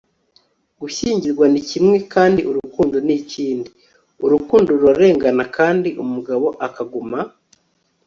gushyingirwa ni ikintu kimwe kandi urukundo ni ikindi. urukundo rurarengana kandi umugabo akaguma